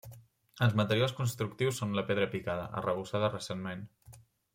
Els materials constructius són la pedra picada, arrebossada recentment.